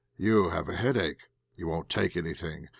You have a headache; you won't take anything.